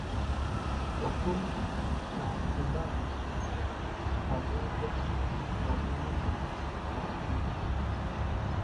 Watongwe na Watumbuka pamoja Wavidunda na Wavinza